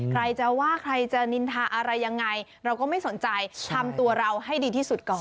ใครจะว่าใครจะนินทาอะไรยังไงเราก็ไม่สนใจทำตัวเราให้ดีที่สุดก่อน